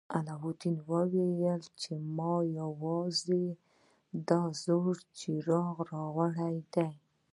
علاوالدین وویل چې ما یوازې دا زوړ څراغ راوړی دی.